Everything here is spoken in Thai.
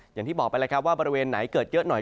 อย่างที่บอกไปแล้วครับว่าบริเวณไหนเกิดเยอะหน่อย